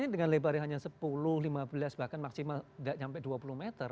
dengan lebarnya hanya sepuluh lima belas bahkan maksimal tidak sampai dua puluh meter